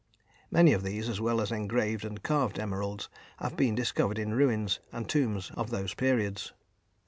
Many of these, as well as engraved and carved emeralds, have been discovered in ruins and tombs of those periods.